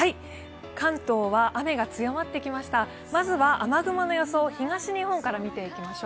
関東は雨が強まってきました。